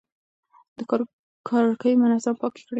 د کور کړکۍ منظم پاکې کړئ.